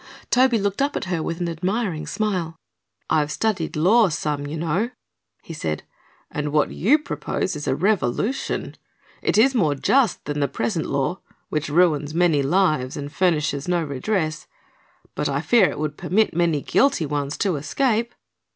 Toby looked up at her with an admiring smile. "I've studied law some, you know," he said, "and what you propose is a revolution. It is more just than the present law, which ruins many lives and furnishes no redress, but I fear it would permit many guilty ones to escape."